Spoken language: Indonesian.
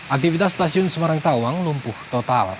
aktivitas stasiun semarang tawang lumpuh total